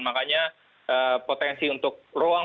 makanya potensi untuk ruang